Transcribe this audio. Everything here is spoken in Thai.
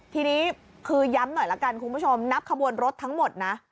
ทีนี้คือย้ำหน่อยละกันคุณผู้ชมนับขบวนรถทั้งหมดนะ